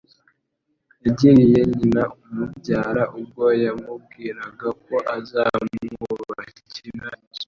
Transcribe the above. yagiriye nyina umubyara, ubwo yamubwiraga ko azamwubakira inzu